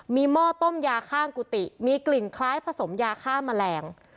มีหม้อต้มยาข้างกุฏิมีกลิ่นคล้ายผสมยาฆ่าแมลง